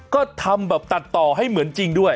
ก็ทำแบบตัดต่อให้เหมือนจริงด้วย